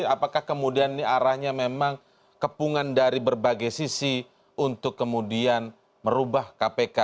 apakah kemudian ini arahnya memang kepungan dari berbagai sisi untuk kemudian merubah kpk